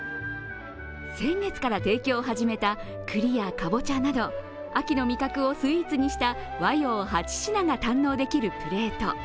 先月から提供を始めた栗やかぼちゃなど、秋の味覚をスイーツにした和洋８品が堪能できるプレート。